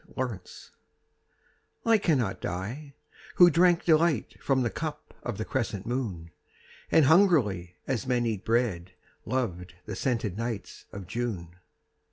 The Wine I cannot die, who drank delight From the cup of the crescent moon, And hungrily as men eat bread, Loved the scented nights of June.